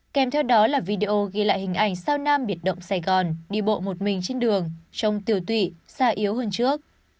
kèm theo đó là video ghi lại hình ảnh sao nam biệt động sài gòn đi bộ một mình trên đường trông tiểu xa yếu hơn trước